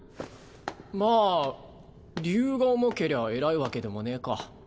まあ理由が重けりゃ偉いわけでもねぇか。